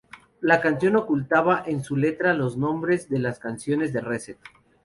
La canción ocultaba en su letra los nombres de las canciones de "Reset".